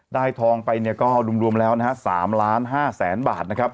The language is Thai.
ได้ทองไปรวมแล้ว๓๕๐๐๐๐๐บาท